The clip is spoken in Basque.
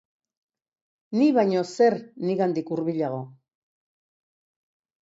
Ni baino zer nigandik hurbilago?